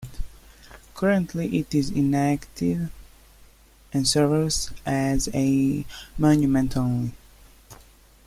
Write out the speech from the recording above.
Currently it is inactive and serves as a monument only.